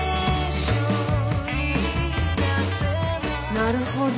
なるほど。